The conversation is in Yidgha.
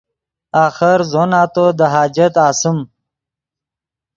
آخر زو نتو دے حاجت آسیم